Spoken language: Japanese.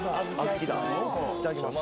いただきます